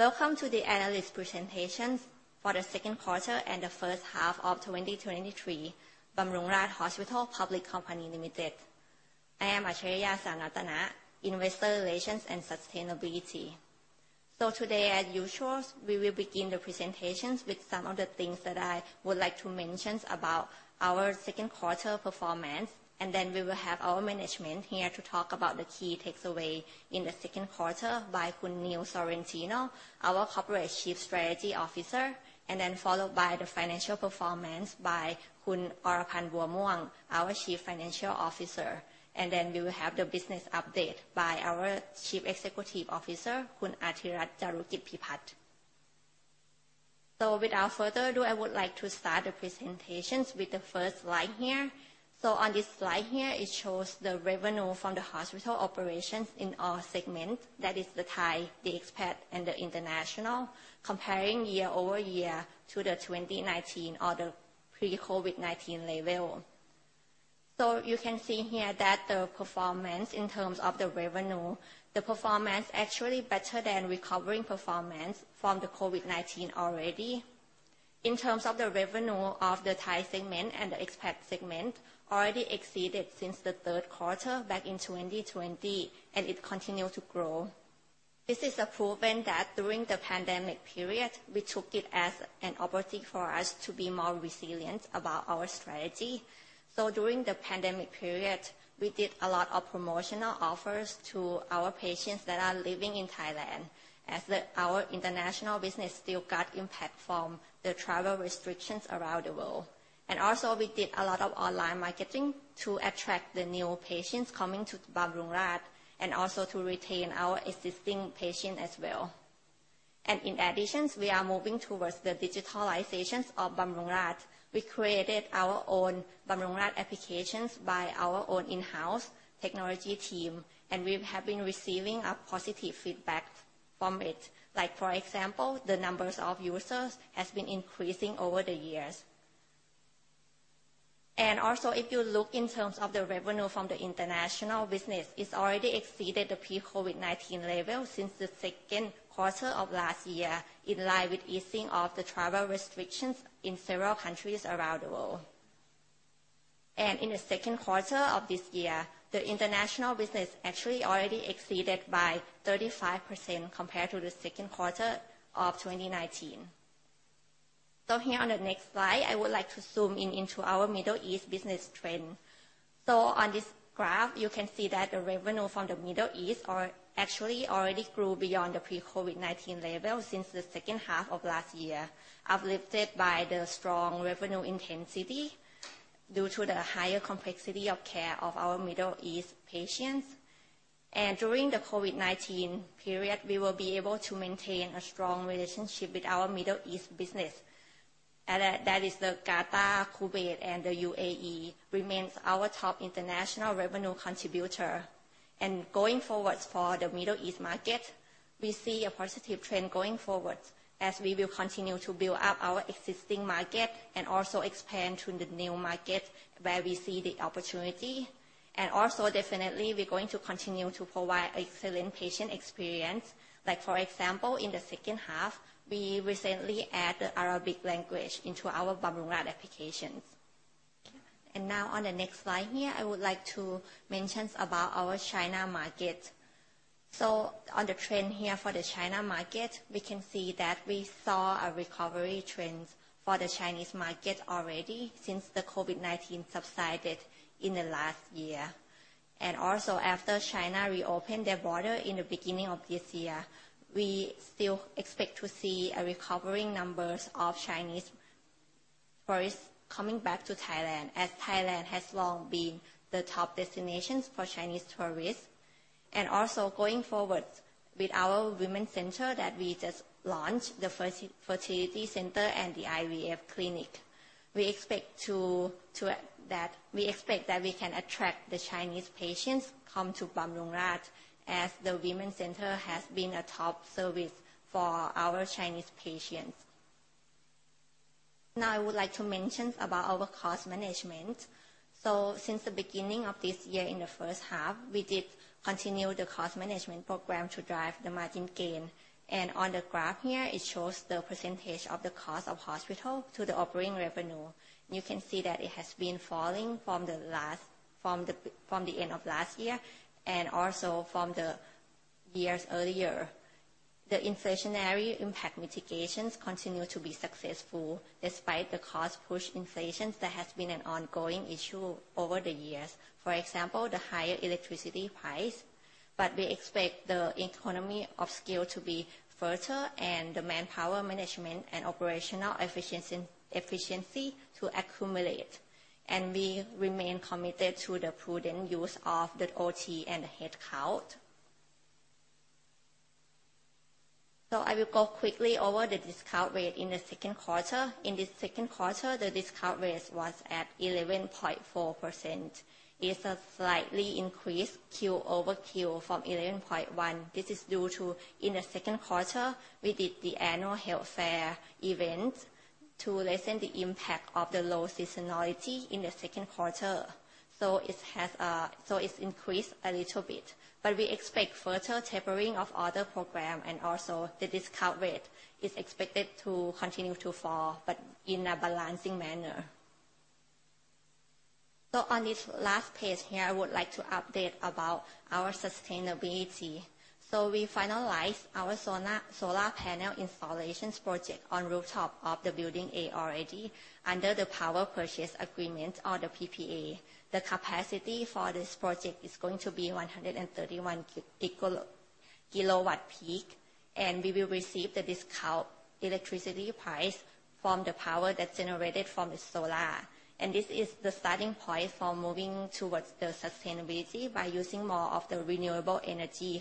Welcome to the Analyst Presentations for the 2nd Quarter and the 1st Half of 2023, Bumrungrad Hospital Public Company Limited. I am Achariya Sanrattana, Investor Relations and Sustainability. Today, as usual, we will begin the presentations with some of the things that I would like to mention about our 2nd quarter performance. Then we will have our management here to talk about the key takeaways in the 2nd quarter by Khun Neil Sorrentino, our Corporate Chief Strategy Officer. Then followed by the financial performance by Khun Oraphan Buamuang, our Chief Financial Officer. Then we will have the business update by our Chief Executive Officer, Khun Artirat Charukitpipat. Without further ado, I would like to start the presentations with the first slide here. On this slide here, it shows the revenue from the hospital operations in all segments. That is the Thai, the expat, and the international, comparing year-over-year to the 2019 or the pre-COVID-19 level. You can see here that the performance in terms of the revenue, the performance actually better than recovering performance from the COVID-19 already. In terms of the revenue of the Thai segment and the expat segment, already exceeded since the third quarter back in 2020, and it continued to grow. This is a proven that during the pandemic period, we took it as an opportunity for us to be more resilient about our strategy. During the pandemic period, we did a lot of promotional offers to our patients that are living in Thailand, as the, our international business still got impact from the travel restrictions around the world. Also, we did a lot of online marketing to attract the new patients coming to Bumrungrad, and also to retain our existing patients as well. In addition, we are moving towards the digitalizations of Bumrungrad. We created our own Bumrungrad Application by our own in-house technology team, and we have been receiving a positive feedback from it. Like, for example, the numbers of users has been increasing over the years. Also, if you look in terms of the revenue from the international business, it's already exceeded the pre-COVID-19 level since the second quarter of last year, in line with easing of the travel restrictions in several countries around the world. In the second quarter of this year, the international business actually already exceeded by 35% compared to the second quarter of 2019. Here on the next slide, I would like to zoom in into our Middle East business trend. On this graph, you can see that the revenue from the Middle East are actually already grew beyond the pre-COVID-19 level since the second half of last year, uplifted by the strong revenue intensity due to the higher complexity of care of our Middle East patients. During the COVID-19 period, we will be able to maintain a strong relationship with our Middle East business. That is the Qatar, Kuwait, and the UAE remains our top international revenue contributor. Going forward for the Middle East market, we see a positive trend going forward, as we will continue to build up our existing market and also expand to the new market where we see the opportunity. Also, definitely, we're going to continue to provide excellent patient experience. Like, for example, in the second half, we recently add the Arabic language into our Bumrungrad Application. Now on the next slide here, I would like to mention about our China market. On the trend here for the China market, we can see that we saw a recovery trend for the Chinese market already since the COVID-19 subsided in the last year. Also, after China reopened their border in the beginning of this year, we still expect to see a recovering numbers of Chinese tourists coming back to Thailand, as Thailand has long been the top destination for Chinese tourists. Also going forward, with our Women's Center that we just launched, the fertility center and the IVF clinic, we expect that we can attract the Chinese patients come to Bumrungrad, as the Women's Center has been a top service for our Chinese patients. I would like to mention about our cost management. Since the beginning of this year, in the first half, we did continue the cost management program to drive the margin gain. On the graph here, it shows the percentage of the cost of hospital to the operating revenue. You can see that it has been falling from the last, from the end of last year and also from the years earlier. The inflationary impact mitigations continue to be successful, despite the cost-push inflation that has been an ongoing issue over the years. For example, the higher electricity price. We expect the economy of scale to be further and the manpower management and operational efficiency, efficiency to accumulate, and we remain committed to the prudent use of the OT and the headcount. I will go quickly over the discount rate in the second quarter. In this second quarter, the discount rate was at 11.4%. It's a slightly increased Q over Q from 11.1%. This is due to, in the second quarter, we did the annual health fair event to lessen the impact of the low seasonality in the second quarter. It has, so it's increased a little bit. We expect further tapering of other program, and also the discount rate is expected to continue to fall, but in a balancing manner. On this last page here, I would like to update about our sustainability. We finalized our solar panel installations project on rooftop of the Building A already, under the power purchase agreement or the PPA. The capacity for this project is going to be 131 kWpeak, and we will receive the discount electricity price from the power that's generated from the solar. This is the starting point for moving towards the sustainability by using more of the renewable energy.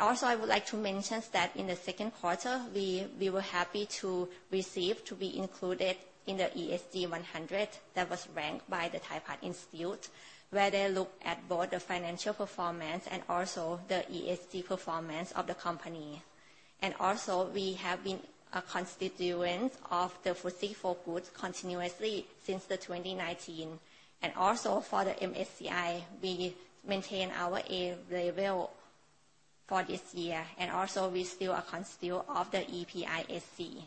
Also I would like to mention that in the second quarter, we were happy to receive to be included in the ESG100 that was ranked by the Thaipat Institute, where they look at both the financial performance and also the ESG performance of the company. Also, we have been a constituent of the FTSE4Good continuously since 2019. Also for the MSCI, we maintain our A label for this year, and also we still a constituent of the EPISC.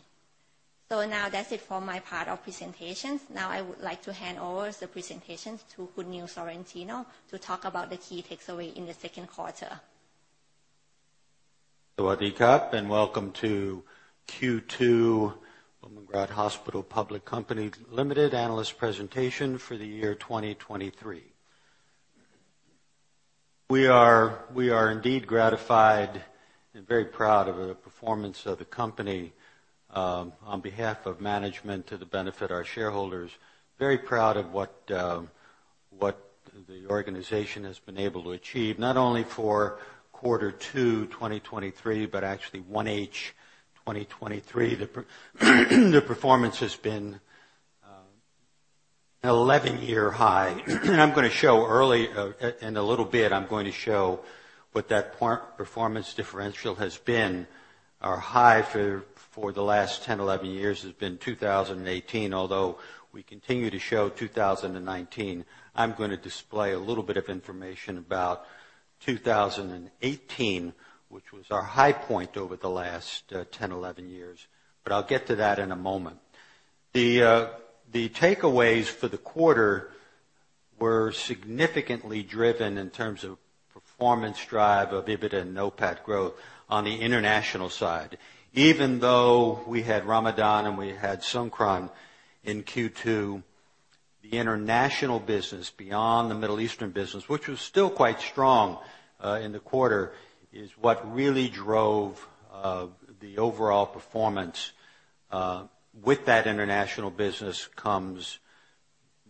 Now that's it for my part of presentations. Now, I would like to hand over the presentations to Khun Neil Sorrentino, to talk about the key takes away in the second quarter. Welcome to Q2 Bumrungrad Hospital Public Company Limited Analyst Presentation for the Year 2023. We are, we are indeed gratified and very proud of the performance of the company, on behalf of management to the benefit our shareholders. Very proud of what, what the organization has been able to achieve, not only for quarter 2, 2023, but actually 1H 2023. The performance has been an 11-year high. I'm gonna show early, in a little bit, I'm going to show what that performance differential has been. Our high for, for the last 10, 11 years has been 2018, although we continue to show 2019. I'm gonna display a little bit of information about 2018, which was our high point over the last 10, 11 years, but I'll get to that in a moment. The, the takeaways for the quarter were significantly driven in terms of performance drive of EBITDA and NOPAT growth on the international side. Even though we had Ramadan and we had Songkran in Q2, the international business beyond the Middle Eastern business, which was still quite strong in the quarter, is what really drove the overall performance. With that international business comes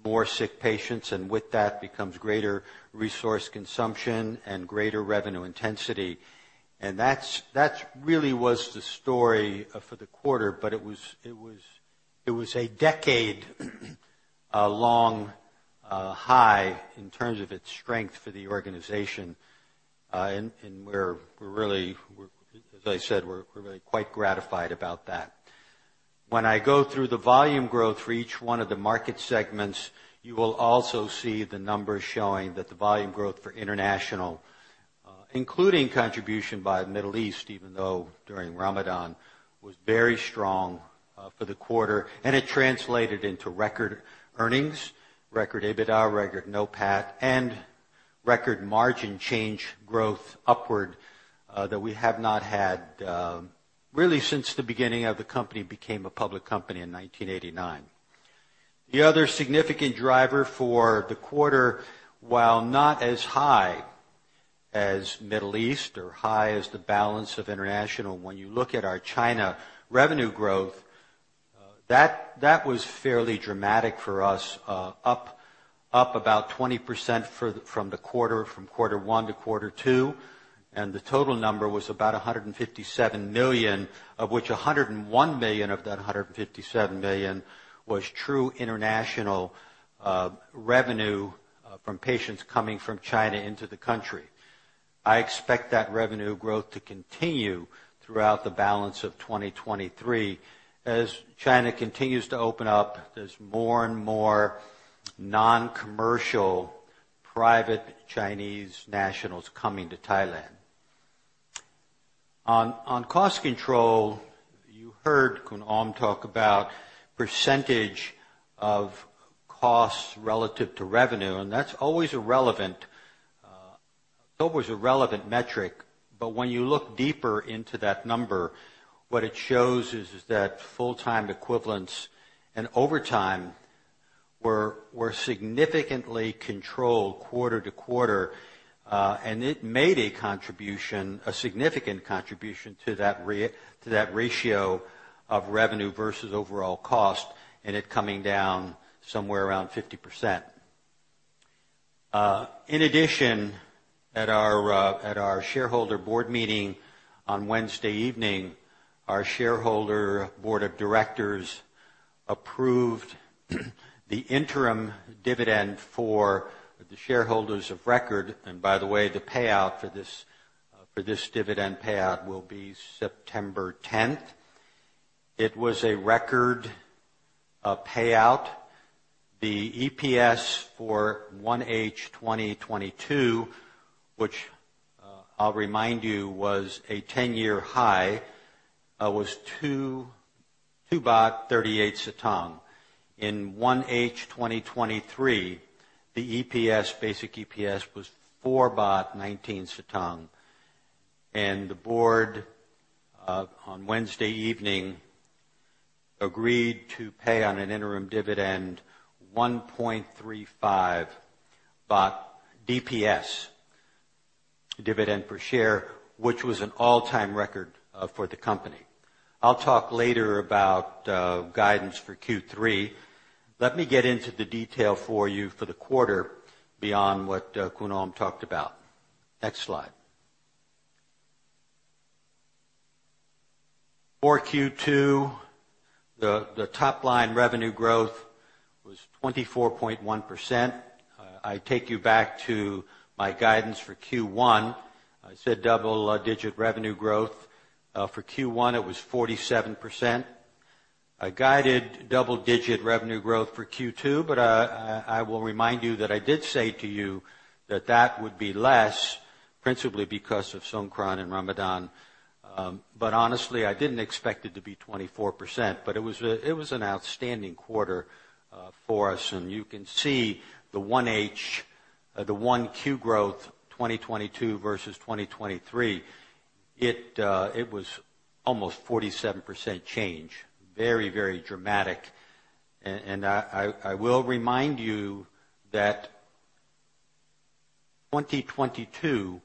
more sick patients, and with that becomes greater resource consumption and greater revenue intensity. And that's, that's really was the story for the quarter, but it was, it was, it was a decade long high in terms of its strength for the organization. We're, as I said, we're, we're really quite gratified about that. When I go through the volume growth for each one of the market segments, you will also see the numbers showing that the volume growth for international, including contribution by Middle East, even though during Ramadan, was very strong for the quarter, and it translated into record earnings, record EBITDA, record NOPAT, and record margin change growth upward that we have not had really since the beginning of the company became a public company in 1989. The other significant driver for the quarter, while not as high as Middle East or high as the balance of international, when you look at our China revenue growth, that, that was fairly dramatic for us, up, up about 20% from the quarter, from quarter one to quarter two, and the total number was about 157 million, of which 101 million of that 157 million was true international revenue from patients coming from China into the country. I expect that revenue growth to continue throughout the balance of 2023. As China continuous to open up, there's more and more non-commercial private Chinese nationals coming to Thailand. On cost control, you heard Khun Om talk about percentage of costs relative to revenue, and that's always a relevant, it's always a relevant metric. When you look deeper into that number, what it shows is, is that full-time equivalents and overtime were, were significantly controlled quarter to quarter, and it made a contribution, a significant contribution, to that to that ratio of revenue versus overall cost, and it coming down somewhere around 50%. In addition, at our, at our shareholder board meeting on Wednesday evening, our shareholder board of directors approved the interim dividend for the shareholders of record. By the way, the payout for this, for this dividend payout will be September 10th. It was a record payout. The EPS for 1H 2022, which, I'll remind you, was a 10-year high, was 2.38 baht. In 1H 2023, the EPS, basic EPS, was 4.19 baht. The board on Wednesday evening agreed to pay on an interim dividend 1.35 baht DPS, dividend per share, which was an all-time record for the company. I'll talk later about guidance for Q3. Let me get into the detail for you for the quarter beyond what Khun Om talked about. Next slide. For Q2, the top-line revenue growth was 24.1%. I take you back to my guidance for Q1. I said double-digit revenue growth. For Q1, it was 47%. I guided double-digit revenue growth for Q2, I will remind you that I did say to you that that would be less, principally because of Songkran and Ramadan. Honestly, I didn't expect it to be 24%. It was a, it was an outstanding quarter for us, and you can see the 1H, the 1Q growth, 2022 versus 2023, it was almost 47% change. Very, very dramatic. I will remind you that 2022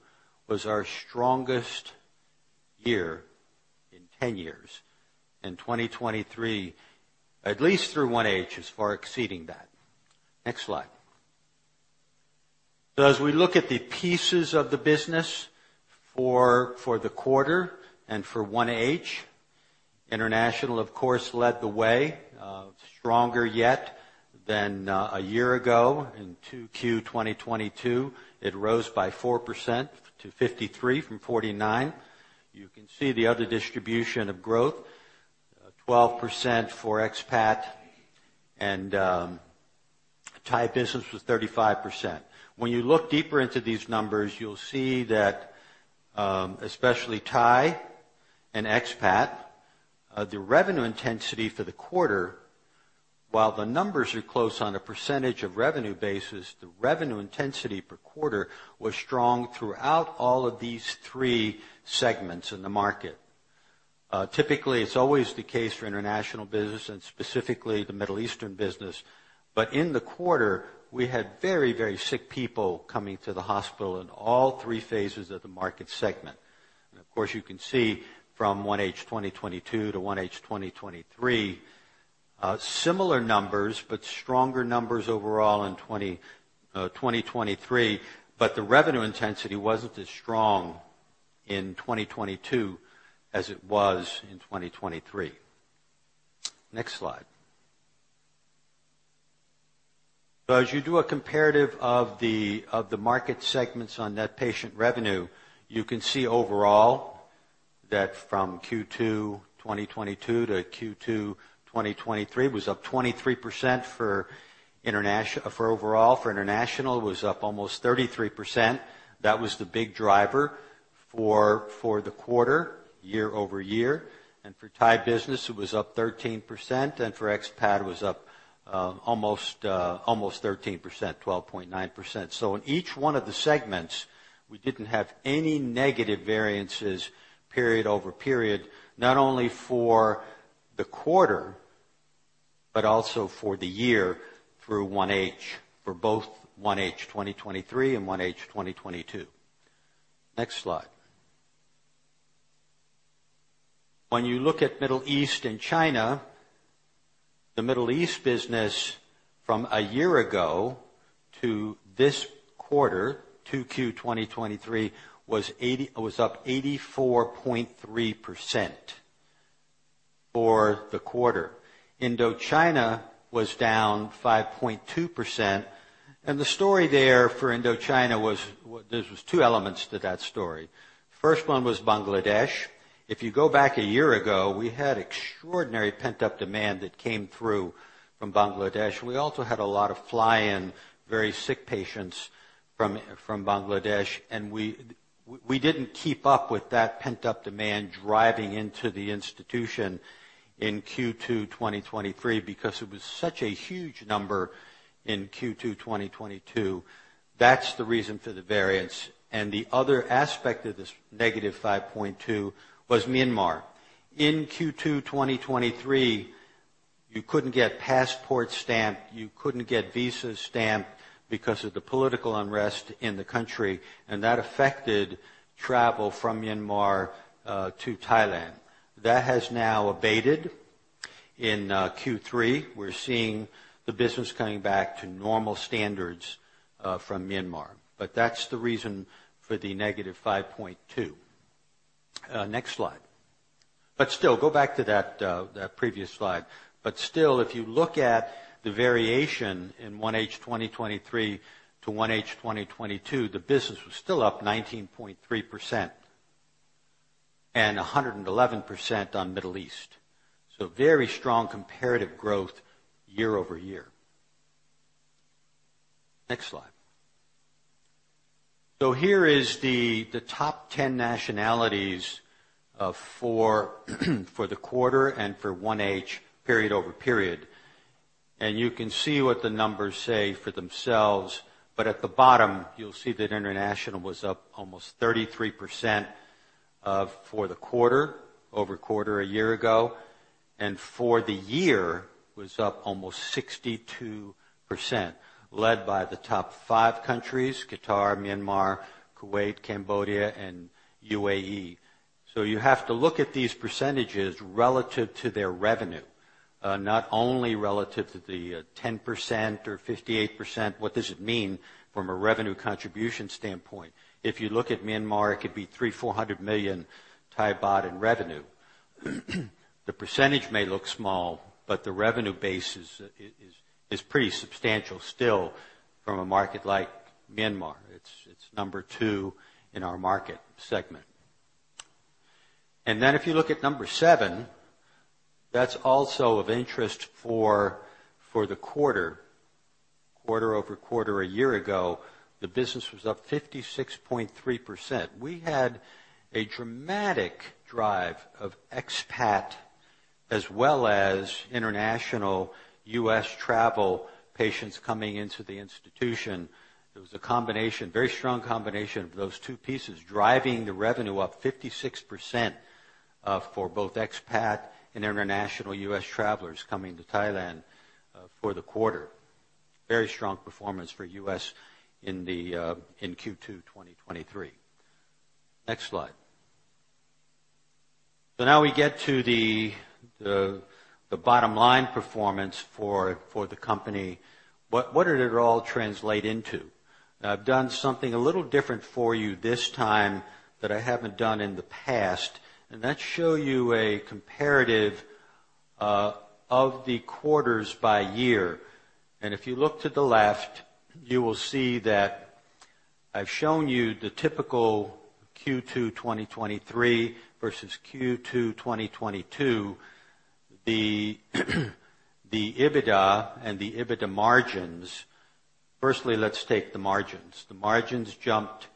was our strongest year in 10 years, and 2023, at least through 1H, is far exceeding that. Next slide. As we look at the pieces of the business for, for the quarter and for 1H, international, of course, led the way, stronger yet than a year ago. In 2Q 2022, it rose by 4% to 53 from 49. You can see the other distribution of growth, 12% for expat, and Thai business was 35%. When you look deeper into these numbers, you'll see that, especially Thai and expat, the revenue intensity for the quarter, while the numbers are close on a percentage of revenue basis, the revenue intensity per quarter was strong throughout all of these three segments in the market. Typically, it's always the case for international business and specifically the Middle Eastern business. In the quarter, we had very, very sick people coming to the hospital in all three phases of the market segment. Of course, you can see from 1H 2022 to 1H 2023, similar numbers, but stronger numbers overall in 2023. The revenue intensity wasn't as strong in 2022 as it was in 2023. Next slide. As you do a comparative of the, of the market segments on net patient revenue, you can see overall that from Q2 2022 to Q2 2023, it was up 23% for international, for overall. For international, it was up almost 33%. That was the big driver for, for the quarter, year-over-year. For Thai business, it was up 13%, and for expat, it was up almost 13%, 12.9%. In each one of the segments, we didn't have any negative variances period-over-period, not only for the quarter, but also for the year through 1H, for both 1H 2023 and 1H 2022. Next slide. When you look at Middle East and China, the Middle East business from a year ago to this quarter, 2Q 2023, was up 84.3% for the quarter. Indochina was down 5.2%. The story there for Indochina was, well, there was two elements to that story. First one was Bangladesh. If you go back a year ago, we had extraordinary pent-up demand that came through from Bangladesh. We also had a lot of fly-in, very sick patients from Bangladesh, and we didn't keep up with that pent-up demand driving into the institution in Q2 2023 because it was such a huge number in Q2 2022. That's the reason for the variance. The other aspect of this -5.2 was Myanmar. In Q2 2023, you couldn't get passport stamped, you couldn't get visas stamped because of the political unrest in the country. That affected travel from Myanmar to Thailand. That has now abated. In Q3, we're seeing the business coming back to normal standards from Myanmar. That's the reason for the -5.2. Next slide. Still, go back to that previous slide. Still, if you look at the variation in 1H 2023 to 1H 2022, the business was still up 19.3% and 111% on Middle East. Very strong comparative growth year-over-year. Next slide. Here is the, the top 10 nationalities for, for the quarter and for 1H period-over-period. You can see what the numbers say for themselves, but at the bottom, you'll see that international was up almost 33% for the quarter, quarter-over-year ago, and for the year was up almost 62%, led by the top five countries: Qatar, Myanmar, Kuwait, Cambodia, and UAE. You have to look at these percentages relative to their revenue, not only relative to the 10% or 58%. What does it mean from a revenue contribution standpoint? If you look at Myanmar, it could be 300-400 million Thai baht in revenue. The percentage may look small, but the revenue base is pretty substantial still from a market like Myanmar. It's number two in our market segment. If you look at number seven, that's also of interest for the quarter. Quarter-over-quarter a year ago, the business was up 56.3%. We had a dramatic drive of expat, as well as international U.S. travel patients coming into the institution. It was a combination, very strong combination of those two pieces, driving the revenue up 56%, for both expat and international U.S. travelers coming to Thailand, for the quarter. Very strong performance for U.S. in the in Q2 2023. Next slide. Now we get to the, the, the bottom line performance for, for the company. What, what did it all translate into? I've done something a little different for you this time that I haven't done in the past, and that show you a comparative of the quarters by year. If you look to the left, you will see that I've shown you the typical Q2 2023 versus Q2 2022. The EBITDA and the EBITDA margins. Firstly, let's take the margins. The margins jumped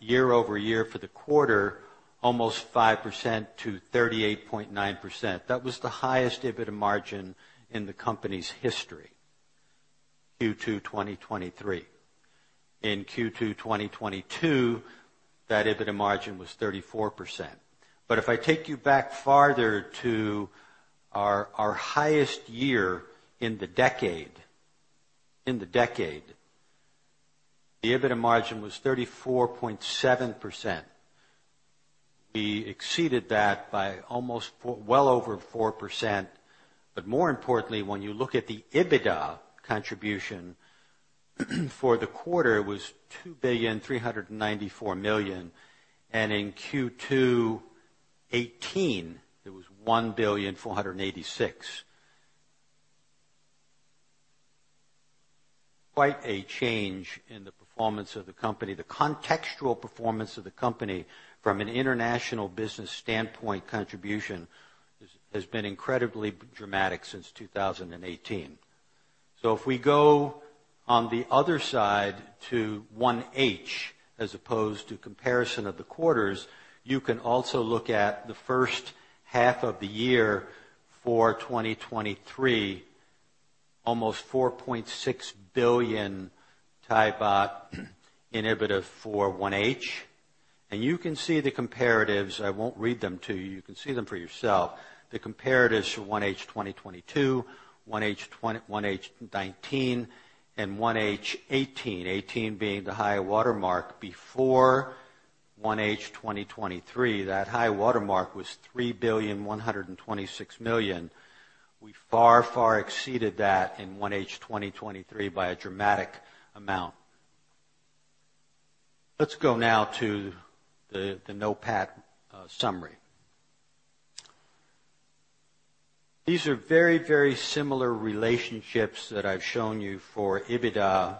year-over-year for the quarter, almost 5% to 38.9%. That was the highest EBITDA margin in the company's history, Q2 2023. In Q2 2022, that EBITDA margin was 34%. If I take you back farther to our, our highest year in the decade, in the decade, the EBITDA margin was 34.7%. We exceeded that by almost 4%, well over 4%. More importantly, when you look at the EBITDA contribution, for the quarter, it was 2 billion 394 million, and in Q2 2018, it was THB 1 billion 486. Quite a change in the performance of the company. The contextual performance of the company from an international business standpoint contribution has been incredibly dramatic since 2018. If we go on the other side to 1H, as opposed to comparison of the quarters, you can also look at the first half of the year for 2023, almost 4.6 billion baht in EBITDA for 1H. You can see the comparatives. I won't read them to you. You can see them for yourself. The comparatives for 1H 2022, 1H 2019, and 1H 2018, 2018 being the high watermark. Before 1H 2023, that high watermark was 3.126 billion. We far, far exceeded that in 1H 2023 by a dramatic amount. Let's go now to the NOPAT summary. These are very, very similar relationships that I've shown you for EBITDA,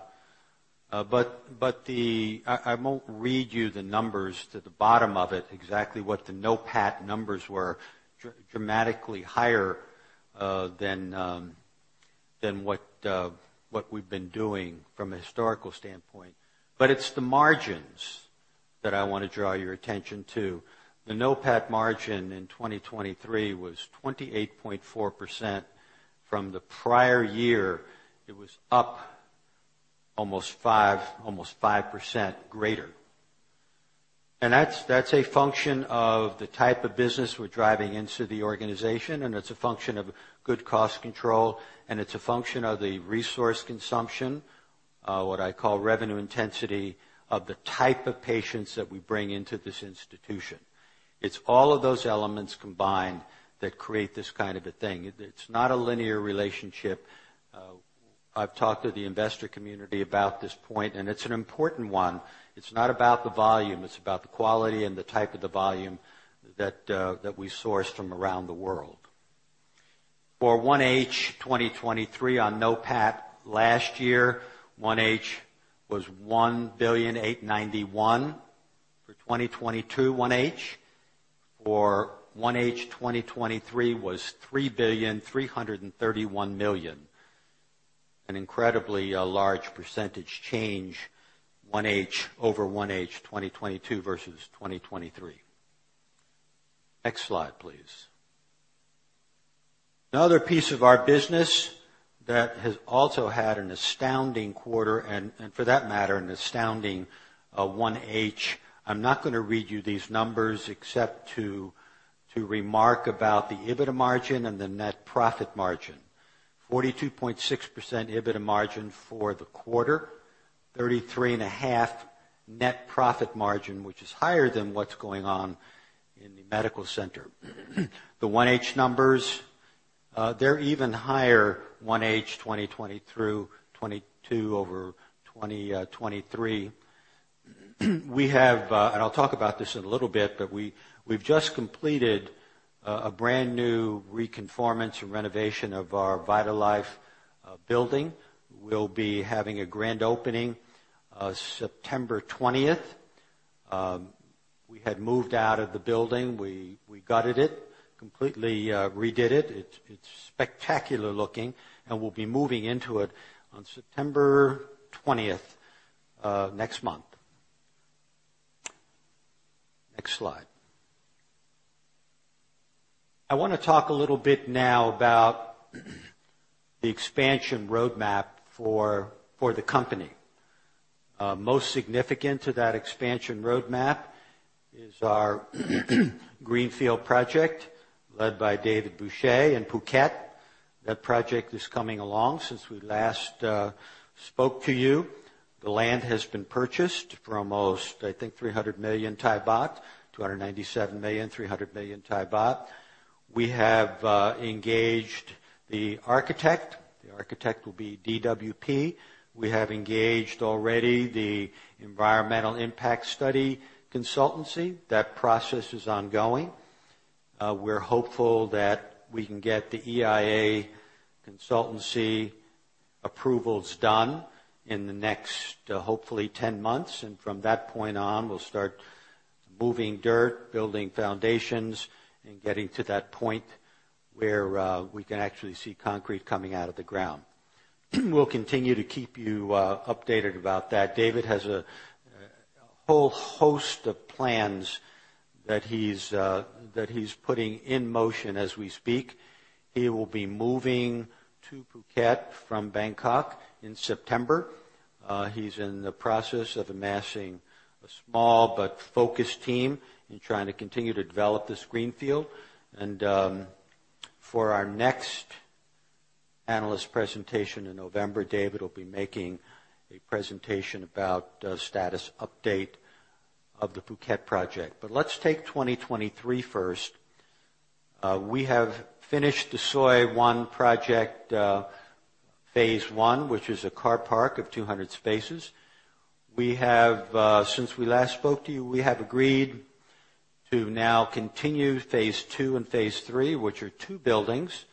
but I won't read you the numbers to the bottom of it, exactly what the NOPAT numbers were, dramatically higher, than what we've been doing from a historical standpoint. But it's the margins that I want to draw your attention to. The NOPAT margin in 2023 was 28.4%. From the prior year, it was up almost 5%, almost 5% greater. That's a function of the type of business we're driving into the organization, and it's a function of good cost control, and it's a function of the resource consumption, what I call revenue intensity, of the type of patients that we bring into this institution. It's all of those elements combined that create this kind of a thing. It's not a linear relationship. I've talked to the investor community about this point, and it's an important one. It's not about the volume, it's about the quality and the type of the volume that we source from around the world. For 1H 2023 on NOPAT last year, 1H was 1.891 billion. For 2022, 1H. For 1H 2023 was 3.331 billion. An incredibly large % change, 1H over 1H, 2022 versus 2023. Next slide, please. Another piece of our business that has also had an astounding quarter, and for that matter, an astounding 1H. I'm not gonna read you these numbers except to, to remark about the EBITDA margin and the net profit margin. 42.6% EBITDA margin for the quarter, 33.5 net profit margin, which is higher than what's going on in the medical center. The 1H numbers, they're even higher, 1H 2020 through 2022 over 2023. We have, and I'll talk about this in a little bit, but we, we've just completed a brand-new reconformance and renovation of our VitalLife building. We'll be having a grand opening on September 20th. We had moved out of the building. We, we gutted it, completely redid it. It's, it's spectacular-looking, and we'll be moving into it on September 20th next month. Next slide. I wanna talk a little bit now about the expansion roadmap for, for the company. Most significant to that expansion roadmap is our greenfield project, led by David Boucher in Phuket. That project is coming along since we last spoke to you. The land has been purchased for almost, I think, 300 million baht, baht 297 million, 300 million baht. We have engaged the architect. The architect will be DWP. We have engaged already the environmental impact study consultancy. That process is ongoing. We're hopeful that we can get the EIA consultancy approvals done in the next, hopefully 10 months, and from that point on, we'll start moving dirt, building foundations, and getting to that point where we can actually see concrete coming out of the ground. We'll continue to keep you updated about that. David has a whole host of plans that he's that he's putting in motion as we speak. He will be moving to Phuket from Bangkok in September. He's in the process of amassing a small but focused team and trying to continue to develop this greenfield. For our next analyst presentation in November, David will be making a presentation about the status update of the Phuket project. Let's take 2023 first. We have finished the Soi One project, phase I, which is a car park of 200 spaces. Since we last spoke to you, we have agreed to now continue phase II and phase III, which are two buildings,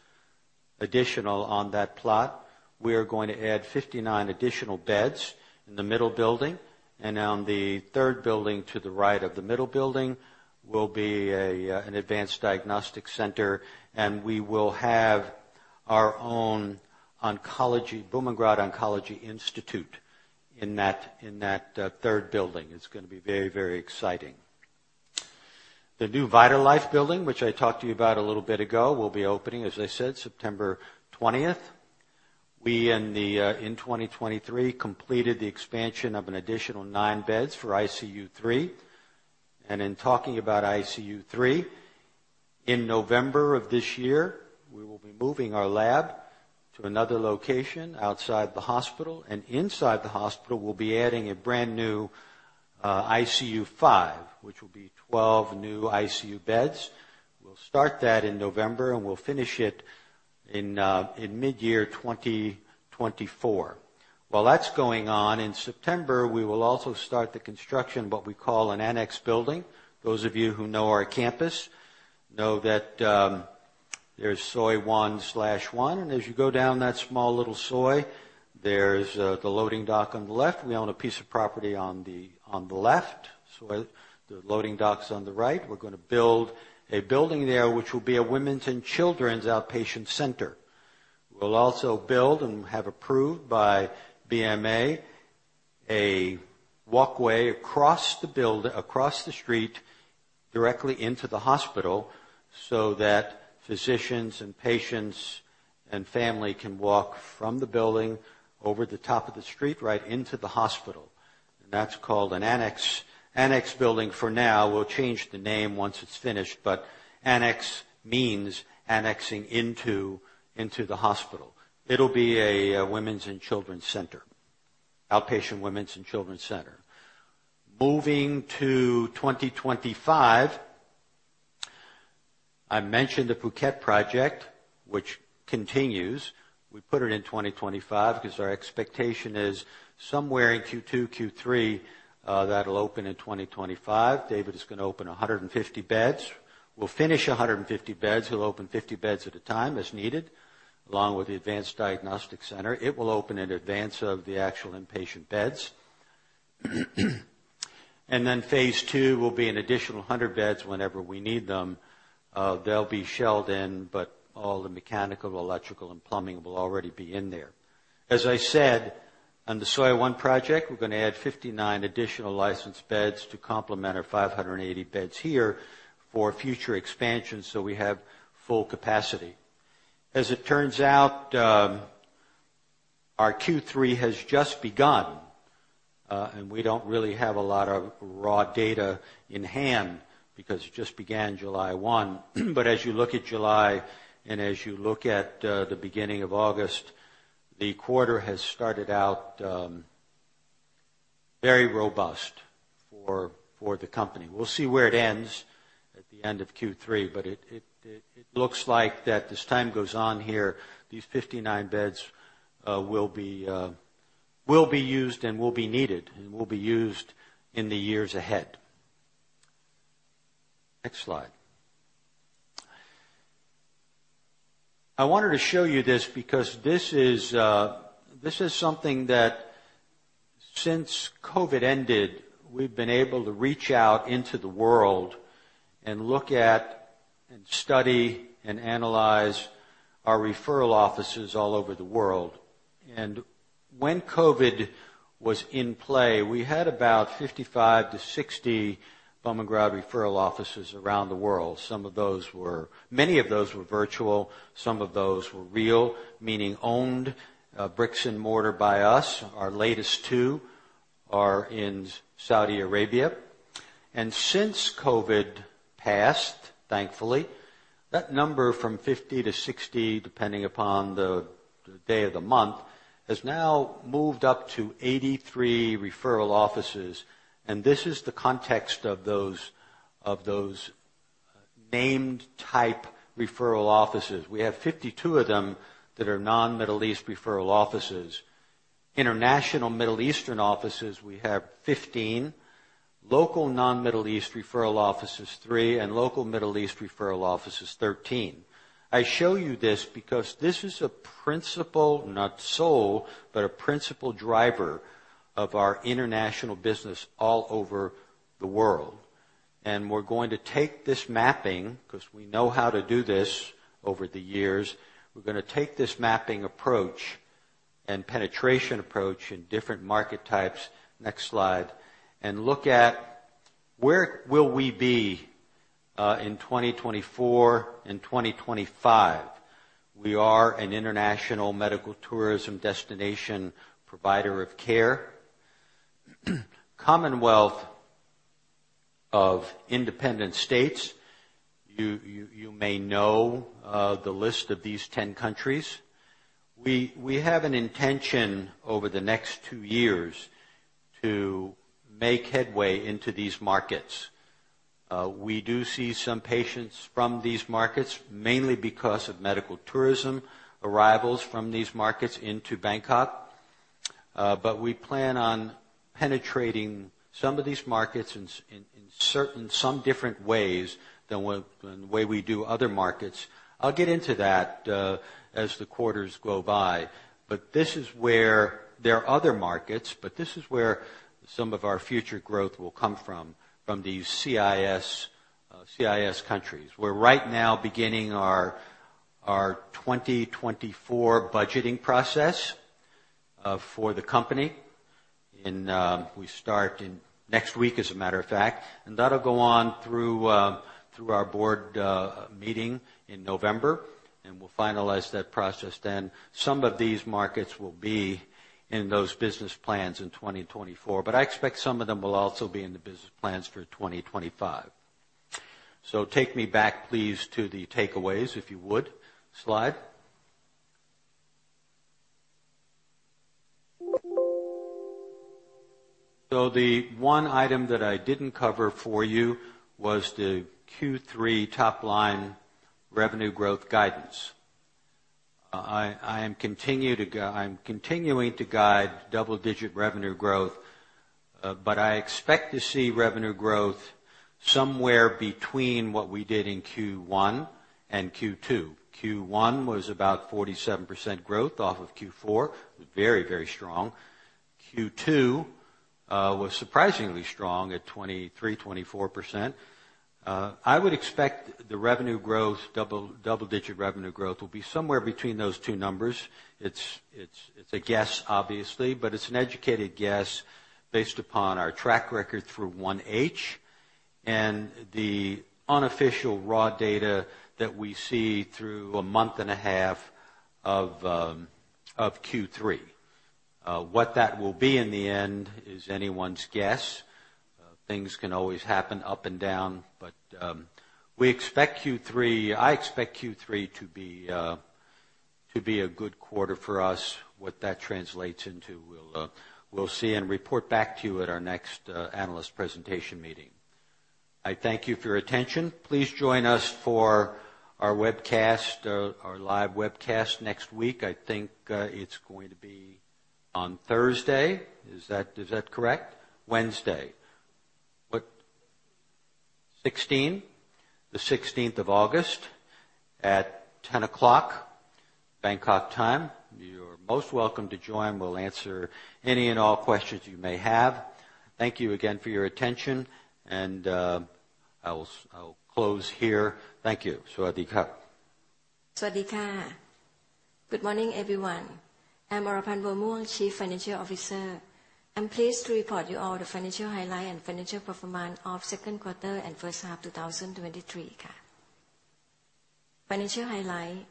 additional on that plot. We are going to add 59 additional beds in the middle building, and on the third building to the right of the middle building will be an Advanced Diagnostic Center, and we will have our own oncology, Bumrungrad Oncology Institute, in that, in that third building. It's gonna be very, very exciting. The new VitalLife building, which I talked to you about a little bit ago, will be opening, as I said, September 20th. We, in 2023, completed the expansion of an additional nine beds for ICU 3. In talking about ICU 3, in November of this year, we will be moving our lab to another location outside the hospital, and inside the hospital, we'll be adding a brand-new ICU 5, which will be 12 new ICU beds. We'll start that in November, and we'll finish it in midyear 2024. While that's going on, in September, we will also start the construction, what we call an annex building. Those of you who know our campus know that there's Soi One/1, and as you go down that small little soi, there's the loading dock on the left. We own a piece of property on the, on the left, soi. The loading dock's on the right. We're gonna build a building there, which will be a Women's and Children's Outpatient Center. We'll also build and have approved by BMA, a walkway across the street, directly into the hospital, so that physicians and patients and family can walk from the building over the top of the street, right into the hospital. That's called an annex, annex building for now. We'll change the name once it's finished, but annex means annexing into, into the hospital. It'll be a women's and children's center, outpatient women's and children's center. Moving to 2025, I mentioned the Phuket project, which continues. We put it in 2025, because our expectation is somewhere in Q2, Q3, that'll open in 2025. David is gonna open 150 beds. We'll finish 150 beds. He'll open 50 beds at a time, as needed, along with the Advanced Diagnostic Center. It will open in advance of the actual inpatient beds. Phase two will be an additional 100 beds whenever we need them. They'll be shelled in, but all the mechanical, electrical, and plumbing will already be in there. As I said, on the Soi One project, we're gonna add 59 additional licensed beds to complement our 580 beds here for future expansion, so we have full capacity. As it turns out, our Q3 has just begun, and we don't really have a lot of raw data in hand because it just began July 1. As you look at July, and as you look at the beginning of August, the quarter has started out very robust for, for the company. We'll see where it ends at the end of Q3, but it looks like that as time goes on here, these 59 beds will be, will be used and will be needed, and will be used in the years ahead. Next slide. I wanted to show you this because this is, this is something that since COVID ended, we've been able to reach out into the world and look at, and study, and analyze our referral offices all over the world. When COVID was in play, we had about 55 to 60 Bumrungrad referral offices around the world. Some of those were... Many of those were virtual, some of those were real, meaning owned, bricks and mortar by us. Our latest two are in Saudi Arabia. Since COVID passed, thankfully, that number from 50 to 60, depending upon the, the day of the month, has now moved up to 83 referral offices, and this is the context of those, of those named type referral offices. We have 52 of them that are non-Middle East referral offices. International Middle Eastern offices, we have 15, local non-Middle East referral offices, three, and local Middle East referral offices, 13. I show you this because this is a principle, not sole, but a principle driver of our international business all over the world. We're going to take this mapping, 'cause we know how to do this over the years. We're gonna take this mapping approach and penetration approach in different market types, next slide, and look at where will we be in 2024 and 2025? We are an international medical tourism destination provider of care. Commonwealth of Independent States, you may know the list of these 10 countries. We have an intention over the next two years to make headway into these markets. We do see some patients from these markets, mainly because of medical tourism, arrivals from these markets into Bangkok. We plan on penetrating some of these markets in certain, some different ways than the way we do other markets. I'll get into that, as the quarters go by, but this is where. There are other markets, but this is where some of our future growth will come from, from these CIS, CIS countries. We're right now beginning our 2024 budgeting process for the company, and we start next week, as a matter of fact, and that'll go on through our board meeting in November, and we'll finalize that process then. Some of these markets will be in those business plans in 2024, but I expect some of them will also be in the business plans for 2025. Take me back, please, to the takeaways, if you would. Slide. The one item that I didn't cover for you was the Q3 top-line revenue growth guidance. I, I am continue to gu- I'm continuing to guide double-digit revenue growth, but I expect to see revenue growth somewhere between what we did in Q1 and Q2. Q1 was about 47% growth off of Q4. Very, very strong. Q2 was surprisingly strong at 23%-24%. I would expect the revenue growth, double, double-digit revenue growth, will be somewhere between those two numbers. It's, it's, it's a guess, obviously, but it's an educated guess based upon our track record through 1H and the unofficial raw data that we see through a month and a half of Q3. What that will be in the end is anyone's guess. Things can always happen up and down, but we expect Q3 I expect Q3 to be a good quarter for us. What that translates into, we'll see and report back to you at our next analyst presentation meeting. I thank you for your attention. Please join us for our webcast, our live webcast next week. I think, it's going to be on Thursday. Is that correct? Wednesday. August 16th, at 10:00 A.M., Bangkok time. You're most welcome to join. We'll answer any and all questions you may have. Thank you again for your attention, and I'll close here. Thank you. Sawasdee kha. Good morning, everyone. I'm Oraphan Buamuang, Chief Financial Officer. I'm pleased to report you all the financial highlight and financial performance of second quarter and first half 2023. Financial highlight.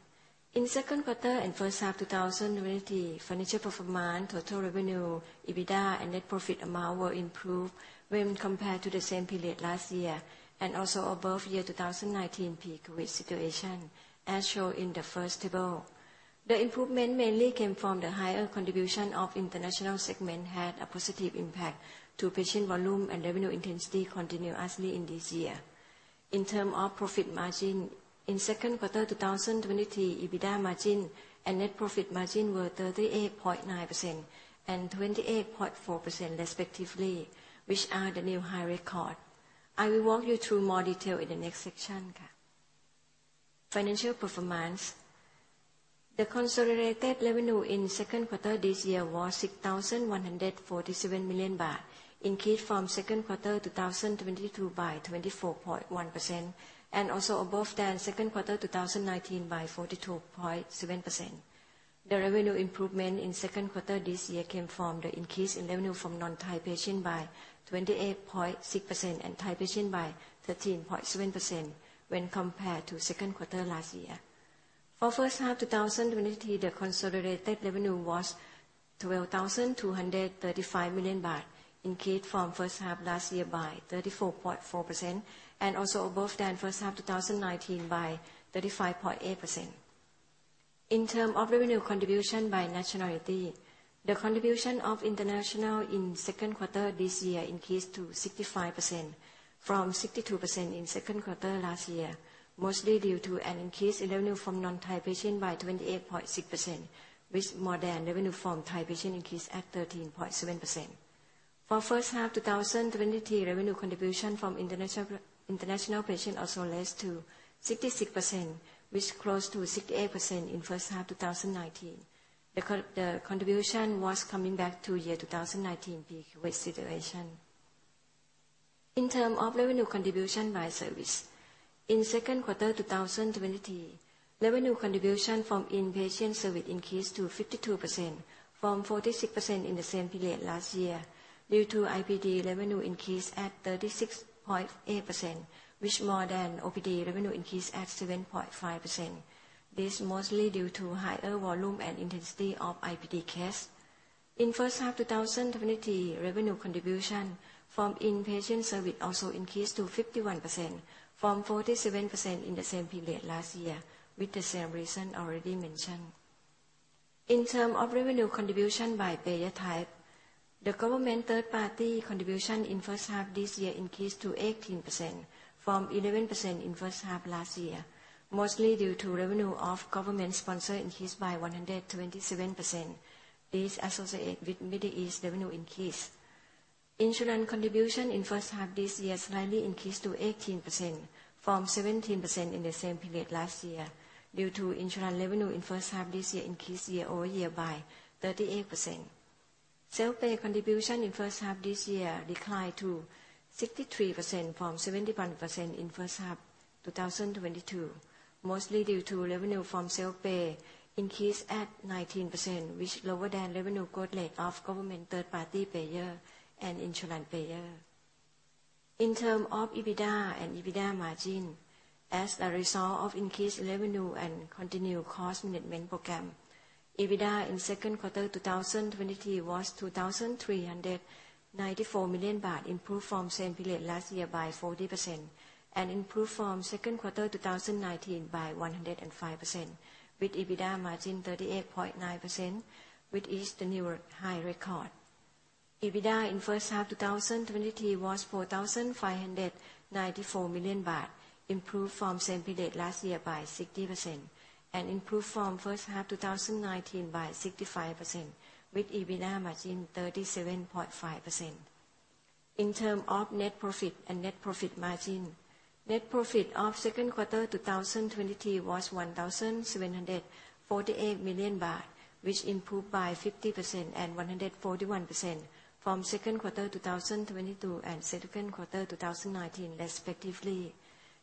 In second quarter and first half 2023, financial performance, total revenue, EBITDA, and net profit amount were improved when compared to the same period last year, and also above year 2019 peak with situation, as shown in the first table. The improvement mainly came from the higher contribution of international segment had a positive impact to patient volume and revenue intensity continuously in this year. In term of profit margin, in second quarter 2023, EBITDA margin and net profit margin were 38.9% and 28.4% respectively, which are the new high record. I will walk you through more detail in the next section. Financial performance. The consolidated revenue in second quarter this year was 6,147 million baht, increased from second quarter 2022 by 24.1%, and also above than second quarter 2019 by 42.7%. The revenue improvement in second quarter this year came from the increased in revenue from non-Thai patient by 28.6% and Thai patient by 13.7% when compared to second quarter last year. For first half 2023, the consolidated revenue was 12,235 million baht, increased from first half last year by 34.4%, and also above than first half 2019 by 35.8%. In term of revenue contribution by nationality, the contribution of international in second quarter this year increased to 65% from 62% in second quarter last year, mostly due to an increased revenue from non-Thai patient by 28.6%, which more than revenue from Thai patient increased at 13.7%. For first half 2023, revenue contribution from international, international patient also raised to 66%, which is close to 68% in first half 2019. The contribution was coming back to year 2019 peak with situation. In term of revenue contribution by service, in 2Q 2023, revenue contribution from inpatient service increased to 52% from 46% in the same period last year, due to IPD revenue increased at 36.8%, which more than OPD revenue increased at 7.5%. This mostly due to higher volume and intensity of IPD case. In 1H 2023, revenue contribution from inpatient service also increased to 51% from 47% in the same period last year, with the same reason already mentioned. In term of revenue contribution by payer type, the government third party contribution in 1H this year increased to 18% from 11% in 1H last year, mostly due to revenue of government sponsor increased by 127%. This associated with Middle East revenue increase. Insurance contribution in first half this year slightly increased to 18% from 17% in the same period last year, due to insurance revenue in first half this year increased year-over-year by 38%. Self-pay contribution in first half this year declined to 63% from 71% in first half 2022, mostly due to revenue from self-pay increased at 19%, which lower than revenue growth rate of government third party payer and insurance payer. In term of EBITDA and EBITDA margin, as a result of increased revenue and continued cost management program, EBITDA in second quarter 2023 was 2,394 million baht, improved from same period last year by 40% and improved from second quarter 2019 by 105%, with EBITDA margin 38.9%, which is the new high record. EBITDA in first half 2023 was 4,594 million baht, improved from same period last year by 60% and improved from first half 2019 by 65%, with EBITDA margin 37.5%. In terms of net profit and net profit margin, net profit of second quarter 2023 was 1,748 million baht, which improved by 50% and 141% from second quarter 2022 and second quarter 2019 respectively.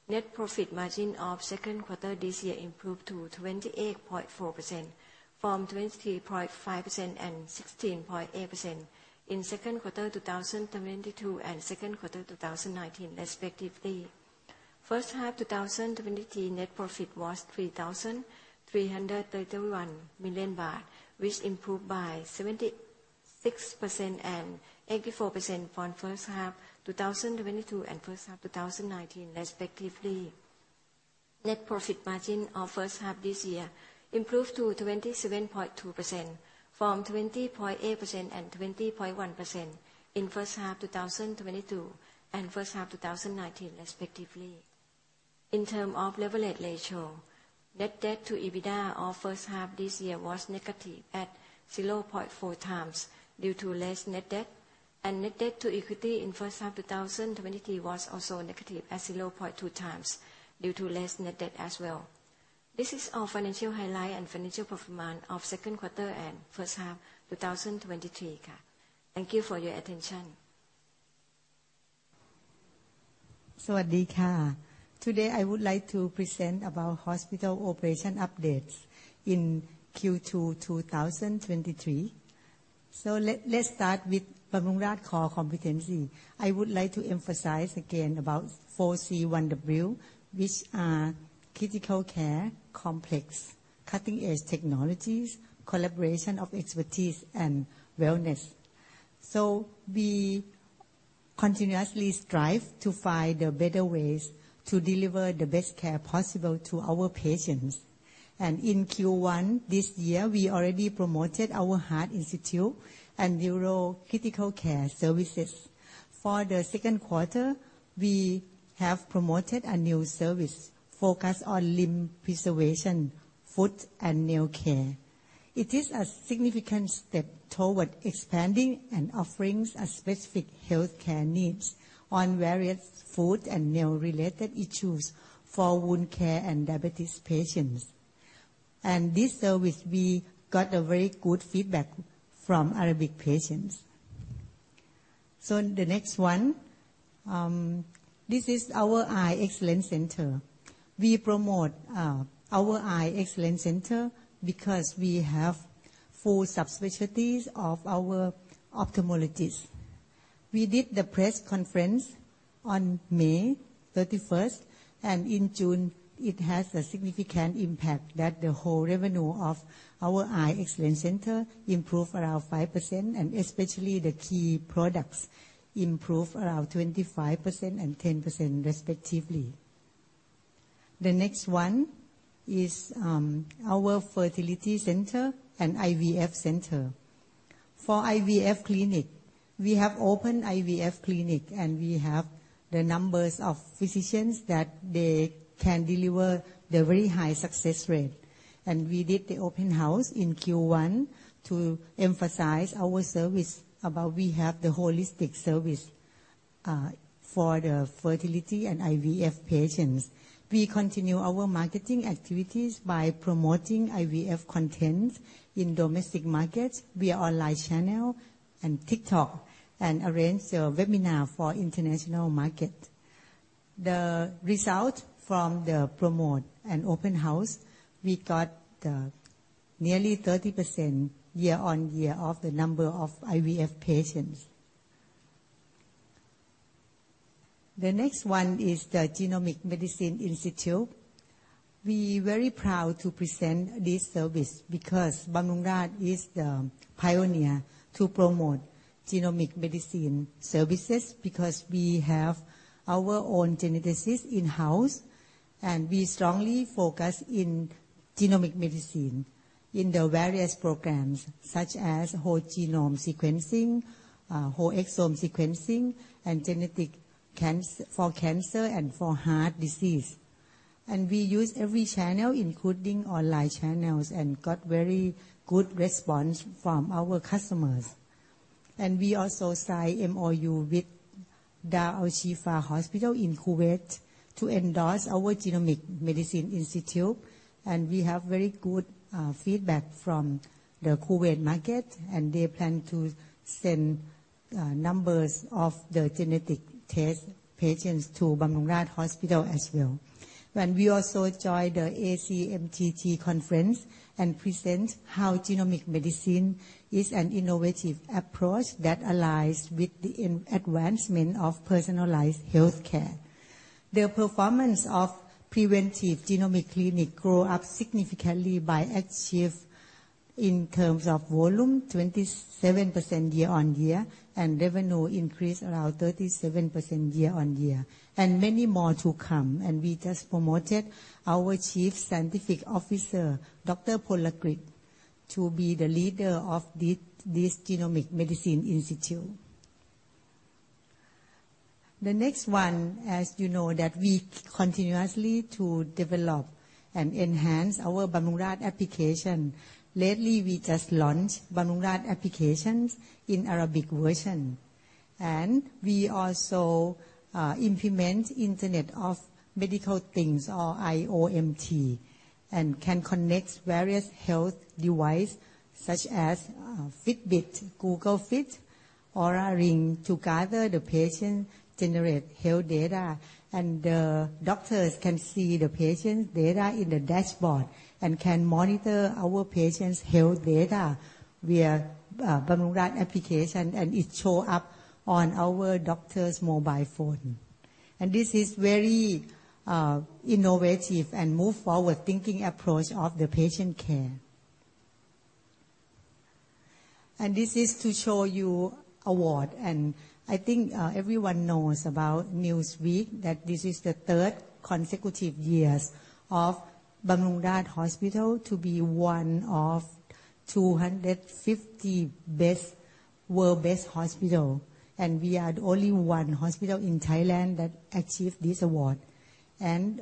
Net profit margin of second quarter this year improved to 28.4% from 23.5% and 16.8% in second quarter 2022 and second quarter 2019 respectively. First half 2023, net profit was 3,331 million baht, which improved by seventy-... 6% and 84% from first half 2022, and first half 2019 respectively. Net profit margin of first half this year improved to 27.2% from 20.8% and 20.1% in first half 2022, and first half 2019 respectively. In term of leverage ratio, net debt to EBITDA of first half this year was negative at 0.4x due to less net debt, and net debt to equity in first half 2023 was also negative at 0.2x due to less net debt as well. This is our financial highlight and financial performance of second quarter and first half 2023. Thank you for your attention. Today, I would like to present about hospital operation updates in Q2 2023. Let's start with Bumrungrad core competency. I would like to emphasize again about 4C1W, which are critical care, complicated, cutting-edge technologies, collaboration of expertise, and wellness. We continuously strive to find the better ways to deliver the best care possible to our patients. In Q1 this year, we already promoted our heart institute and neuro critical care services. For the second quarter, we have promoted a new service focused on limb preservation, foot, and nail care. It is a significant step toward expanding and offerings a specific healthcare needs on various foot and nail related issues for wound care and diabetes patients. This service, we got a very good feedback from Arabic patients. In the next one, this is our Eye Excellence Center. We promote our Eye Excellence Center, because we have four subspecialties of our ophthalmologists. We did the press conference on May 31st. In June, it has a significant impact that the whole revenue of our Eye Excellence Center improved around 5%, and especially the key products improved around 25% and 10% respectively. The next one is our fertility center and IVF center. For IVF clinic, we have opened IVF clinic. We have the numbers of physicians that they can deliver the very high success rate. We did the open house in Q1 to emphasize our service, about we have the holistic service for the fertility and IVF patients. We continue our marketing activities by promoting IVF content in domestic markets via online channel and TikTok, and arrange the webinar for international market. The result from the promote and open house, we got the nearly 30% year-on-year of the number of IVF patients. The next one is the Genomic Medicine Institute. We very proud to present this service, because Bumrungrad is the pioneer to promote genomic medicine services, because we have our own geneticist in-house, and we strongly focus in genomic medicine in the various programs, such as whole genome sequencing, whole exome sequencing, and genetic cancer, for cancer and for heart disease. We use every channel, including online channels, and got very good response from our customers. We also sign MOU with Dar Al-Shifa Hospital in Kuwait to endorse our Genomic Medicine Institute, and we have very good feedback from the Kuwait market, and they plan to send numbers of the genetic test patients to Bumrungrad Hospital as well. We also joined the ACMG conference and present how genomic medicine is an innovative approach that allies with the advancement of personalized healthcare. The performance of preventive genomic clinic grow up significantly by achieve in terms of volume, 27% year-on-year, and revenue increase around 37% year-on-year, and many more to come. We just promoted our Chief Scientific Officer, Dr. Polakit, to be the leader of this, this Genomic Medicine Institute. The next one, as you know, that we continuously to develop and enhance our Bumrungrad Application. Lately, we just launched Bumrungrad Application in Arabic version, and we also implement Internet of Medical Things, or IoMT, and can connect various health device, such as Fitbit, Google Fit, Oura Ring, to gather the patient generate health data. The doctors can see the patient data in the dashboard and can monitor our patients' health data via Bumrungrad application, and it show up on our doctor's mobile phone. This is very innovative and move forward thinking approach of the patient care. This is to show you award, and I think everyone knows about Newsweek, that this is the third consecutive years of Bumrungrad Hospital to be one of 250 world best hospital, and we are the only one hospital in Thailand that achieved this award.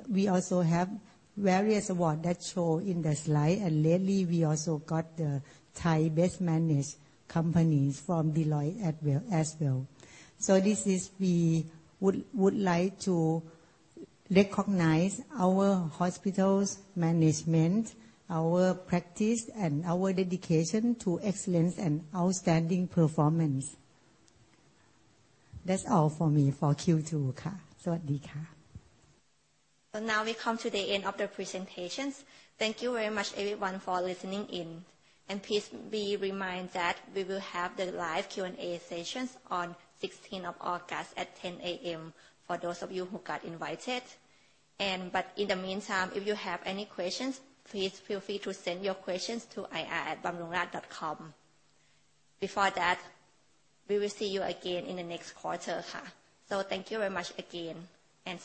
We also have various award that show in the slide, and lately, we also got the Thailand’s Best Managed Companies from Deloitte as well. This is we would like to recognize our hospital's management, our practice, and our dedication to excellence and outstanding performance. That's all for me for Q2. Now we come to the end of the presentations. Thank you very much everyone for listening in. Please be reminded that we will have the live Q&A sessions on August 16th at 10:00 A.M., for those of you who got invited. In the meantime, if you have any questions, please feel free to send your questions to ir@bumrungrad.com. Before that, we will see you again in the next quarter. Thank you very much again.